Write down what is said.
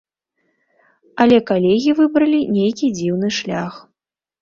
Але калегі выбралі нейкі дзіўны шлях.